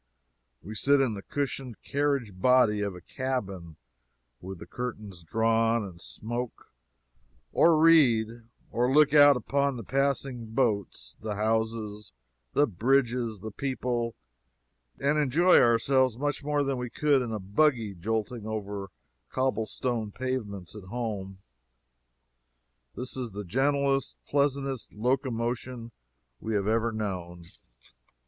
We sit in the cushioned carriage body of a cabin, with the curtains drawn, and smoke, or read, or look out upon the passing boats, the houses, the bridges, the people, and enjoy ourselves much more than we could in a buggy jolting over our cobble stone pavements at home. This is the gentlest, pleasantest locomotion we have ever known.